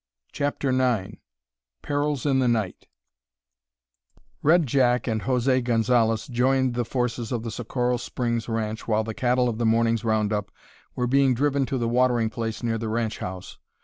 CHAPTER IX PERILS IN THE NIGHT Red Jack and José Gonzalez joined the forces of the Socorro Springs ranch while the cattle of the morning's round up were being driven to the watering place near the ranch house.